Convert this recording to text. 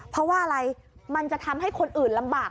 เพราะว่าอะไรมันจะทำให้คนอื่นลำบาก